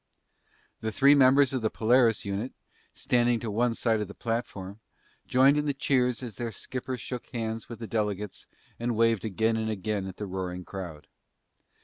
The three members of the Polaris unit, standing to one side of the platform, joined in the cheers as their skipper shook hands with the delegates and waved again and again at the roaring crowd.